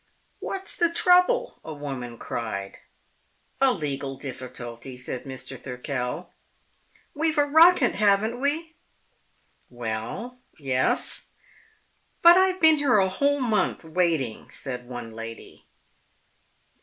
"What's the trouble?" a woman cried. "A legal difficulty," said Mr. Thirkell. "We've a rocket, haven't we?" "Well, ye ess." "But I've been here a whole month, waiting," said one old lady.